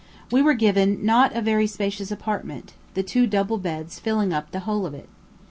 We were given not a very spacious apartment, the two double beds filling up the whole of it.